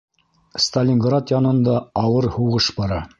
Сталинград янында ауыр һуғыш бара...